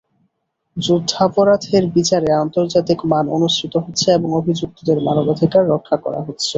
যুদ্ধাপরাধের বিচারে আন্তর্জাতিক মান অনুসৃত হচ্ছে এবং অভিযুক্তদের মানবাধিকার রক্ষা করা হচ্ছে।